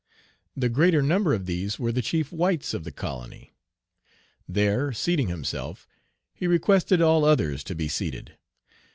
The greater number of these were the chief whites of the colony. There, seating himself, he requested all others to be seated.